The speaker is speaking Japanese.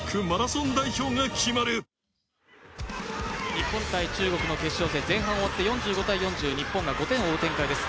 日本×中国の決勝戦、前半終わって日本が５点を追う展開です。